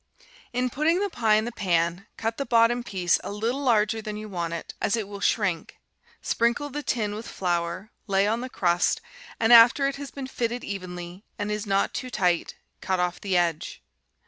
In putting the pie in the pan, cut the bottom piece a little larger than you want it, as it will shrink. Sprinkle the tin with flour, lay on the crust, and after it has been fitted evenly, and is not too tight, cut off the edge.